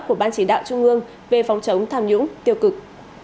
của ban chỉ đạo trung ương về phòng chống tham nhũng tiêu cực